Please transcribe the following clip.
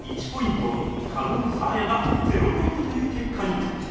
加納サーヤが０ポイントという結果に